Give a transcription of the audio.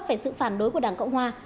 đã vấp về sự phản đối của đảng cộng hòa